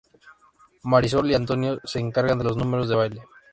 Marisol y Antonio se encargan de los números de baile.